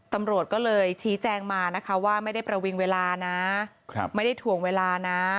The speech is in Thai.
ตำรวจก็เลยชี้แจงมานะคะว่าไม่ได้ประวิงเวลานะไม่ได้ถ่วงเวลานะ